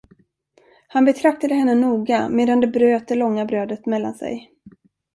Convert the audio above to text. Han betraktade henne noga, medan de bröt det långa brödet mellan sig.